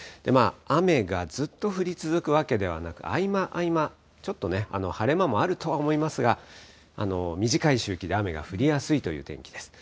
雨がずっと降り続くわけではなく、合間、合間、ちょっと晴れ間もあるとは思いますが、短い周期で雨が降りやすいという天気です。